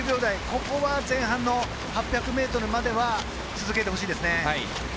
ここは前半の８００ｍまでは続けてほしいですね。